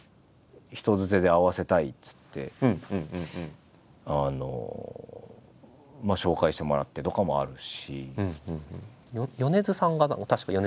人づてで会わせたいっつって紹介してもらってとかもあるし。